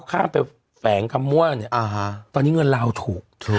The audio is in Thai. ข้ามไปแฝงคำว่าตอนนี้เงินลาวถูก